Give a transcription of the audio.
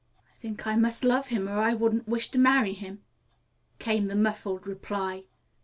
"I think I must love him, or I wouldn't wish to marry him," came the muffled reply.